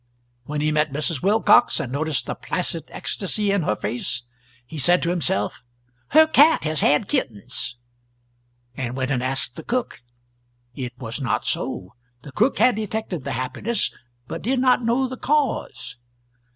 When he met Mrs. Wilcox and noticed the placid ecstasy in her face, he said to himself, "Her cat has had kittens" and went and asked the cook; it was not so, the cook had detected the happiness, but did not know the cause.